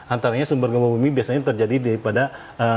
antaranya sumber gempa bumi biasanya terjadi di daerah jakarta